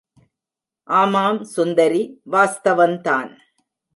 ஆமாம் சுந்தரி, வாஸ்தவந்தான்.